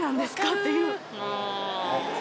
って言う。